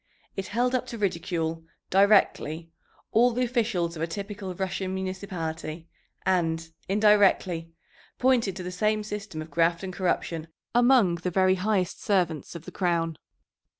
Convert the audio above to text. It held up to ridicule, directly, all the officials of a typical Russian municipality, and, indirectly, pointed to the same system of graft and corruption among the very highest servants of the crown.